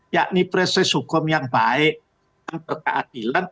yakni proses hukum yang baik yang berkeadilan